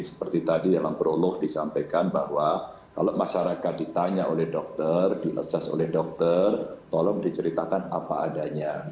seperti tadi dalam prolog disampaikan bahwa kalau masyarakat ditanya oleh dokter di asses oleh dokter tolong diceritakan apa adanya